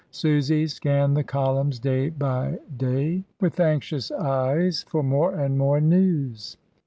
Susy scanned the columns day by day 272 MRS. DYMOND. with anxious eyes for more and more news.